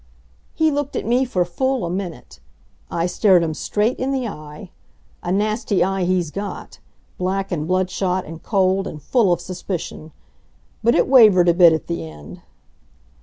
He looked at me for full a minute. I stared him straight in the eye. A nasty eye he's got black and bloodshot and cold and full of suspicion. But it wavered a bit at the end.